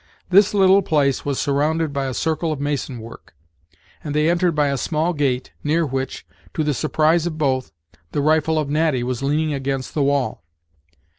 This little place was surrounded by a circle of mason work, and they entered by a small gate, near which, to the surprise of both, the rifle of Natty was leaning against the wall.